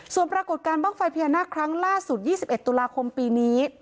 ส่วนปรากฏการณ์บ้างไฟพญานาคครั้งล่าสุด๒๑ตุลาคมปีนี้